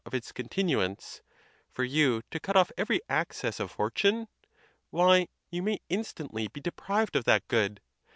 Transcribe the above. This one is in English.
of its continuance—for you to cut off every access of fortune! Why, you may instantly be deprived of that good.